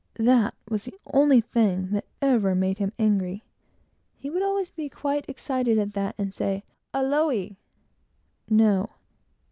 That was the only thing that ever made him angry. He would always be quite excited at that; and say "Aole!" (no.)